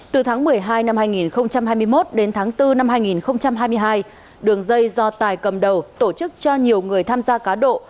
từ tháng một mươi hai năm hai nghìn hai mươi một đến tháng bốn năm hai nghìn hai mươi hai đường dây do tài cầm đầu tổ chức cho nhiều người tham gia cá độ